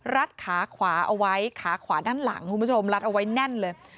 ขาขวาเอาไว้ขาขวาด้านหลังคุณผู้ชมรัดเอาไว้แน่นเลย